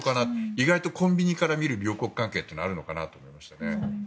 意外とコンビニから見える両国関係ってあるのかなと思いましたね。